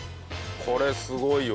これすごいわ。